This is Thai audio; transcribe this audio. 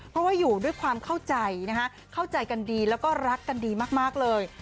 เพราะว่าอยู่ด้วยความเข้าใจนะคะเข้าใจกันดีแล้วก็รักกันดีมากเลย